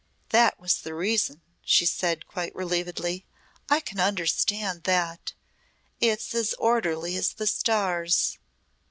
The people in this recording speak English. "That was the reason," she said quite relievedly. "I can understand that. It's as orderly as the stars."